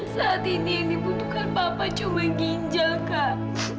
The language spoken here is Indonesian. saat ini yang dibutuhkan papa cuma ginjal kak